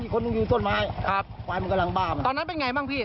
คนหนึ่งอยู่ต้นไม้ครับควายมันกำลังบ้ามตอนนั้นเป็นไงบ้างพี่